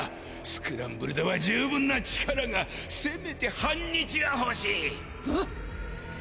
スクランブルでは充分な力がせめて半日は欲しい！